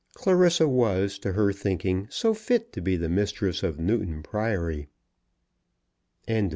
Clarissa was, to her thinking, so fit to be the mistress of Newton Priory. CHAPTER LI.